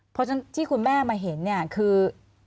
เพราะฉะนั้นที่คุณแม่มาเห็นเนี่ยคือ